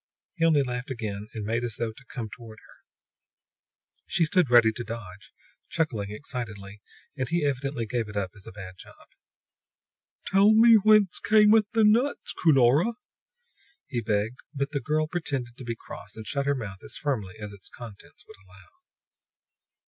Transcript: He only laughed again and made as though to come toward her. She stood ready to dodge, chuckling excitedly, and he evidently gave it up as a bad job. "Tell me whence cameth the nuts, Cunora!" he begged; but the girl pretended to be cross, and shut her mouth as firmly as its contents would allow.